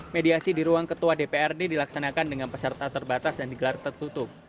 mediasi di ruang ketua dprd dilaksanakan dengan peserta terbatas dan digelar tertutup